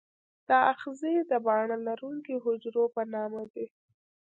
دا آخذې د باڼه لرونکي حجرو په نامه دي.